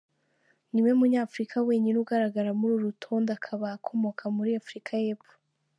Ni we munyafurika wenyine ugaragara muri uru rutonde, akaba akomoka muri Afurika y’Epfo.